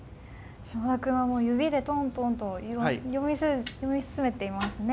嶋田くんはもう指でトントンと読み進めていますね。